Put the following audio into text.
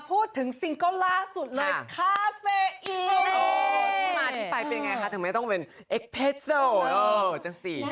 โปรดติดตามตอนต่อไป